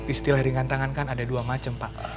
istilah ringan tangan kan ada dua macam pak